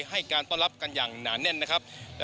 ให้การต้อนรับกันอย่างหนาแน่นนะครับ